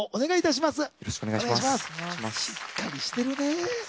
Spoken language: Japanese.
しっかりしてるね。